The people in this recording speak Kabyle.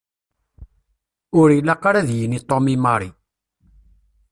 Ur ilaq ara ad yini Tom i Mary.